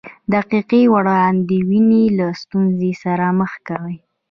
دقیقې وړاندوینې له ستونزو سره مخ کوي.